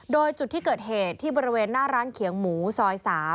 โดยจุดที่เกิดเหตุที่บริเวณหน้าร้านเขียงหมูซอย๓